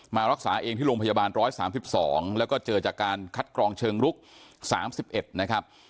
มารักษาเองที่โรงพยาบาล๑๓๒แล้วก็เจอจากการคัดกรองเชิงลุก๓๑นะครับ